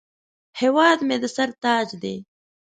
هیواد مې د سر تاج دی